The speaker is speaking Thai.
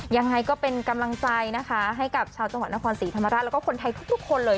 ยังไงก็เป็นกำลังใจนะคะให้กับชาวจังหวัดนครศรีธรรมราชแล้วก็คนไทยทุกคนเลย